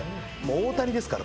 大谷ですから。